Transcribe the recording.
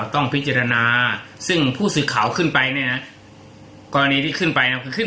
ต้องพิจารณาซึ่งผู้สิทธิ์ขาวขึ้นไปเนี่ยกรณีที่ขึ้นไปขึ้น